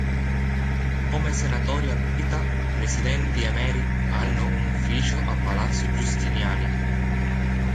Come senatori a vita, i presidenti emeriti hanno un ufficio a Palazzo Giustiniani.